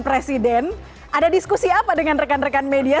presiden ada diskusi apa dengan rekan rekan media